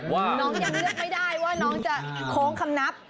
น้องยังเลือกไม่ได้ว่าน้องจะโค้งคำนับ